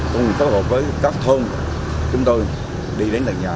cùng tối hợp với các thôn chúng tôi đi đến từng nhà